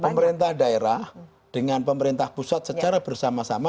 pemerintah daerah dengan pemerintah pusat secara bersama sama